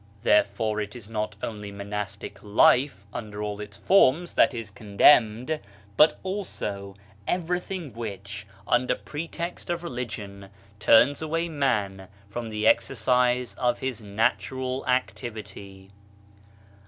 Therefore it is not only monastic life under all its forms that is condemned, but also everything which, under pretext of religion, turns away man from the exercise of his natural activity.